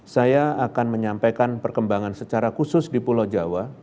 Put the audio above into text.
saya akan menyampaikan perkembangan secara khusus di pulau jawa